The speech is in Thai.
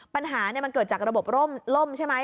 ปัญหามันเกิดจากระบบร่มใช่ไหม